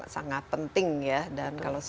sangat penting dan kalau